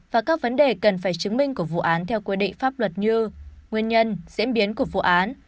và các vấn đề cần phải chứng minh của vụ án theo quy định pháp luật như nguyên nhân diễn biến của vụ án